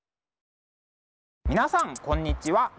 皆さんこんにちは。